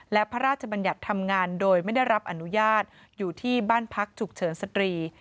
และพระราชบัญญัติทำงานโดยไม่ได้รับอนุญาตอยู่ที่บ้านพักฉุกเฉินสตรี